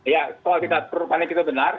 ya soal kita perlu panik itu benar